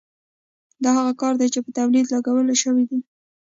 دا هغه کار دی چې په تولید لګول شوی دی